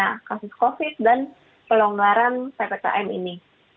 dan itu adalah keuntungannya kasus covid dan pelonggaran ppkm ini